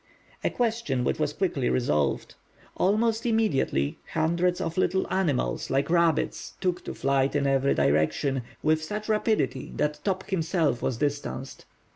A question which was quickly resolved. Almost immediately, hundreds of little animals, like rabbits, took to flight in every direction, with such rapidity that Top himself was distanced.